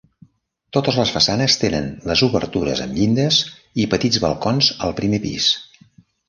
Totes les façanes tenen les obertures amb llindes i petits balcons al primer pis.